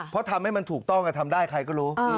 เพราะทำให้มันถูกต้องทำได้ใครก็รู้